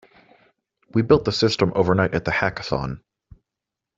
We built the system overnight at the Hackathon.